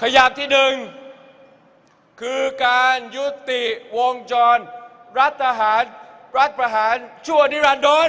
ขยับที่๑คือการยุติวงจรรัฐทหารรัฐประหารชั่วนิรันโดส